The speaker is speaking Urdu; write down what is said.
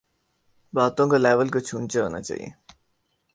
باتوں کا لیول کچھ اونچا ہونا چاہیے۔